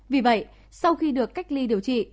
vì vậy sau khi được cách ly điều trị